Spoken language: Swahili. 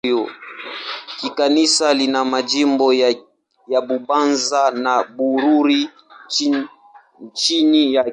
Kikanisa lina majimbo ya Bubanza na Bururi chini yake.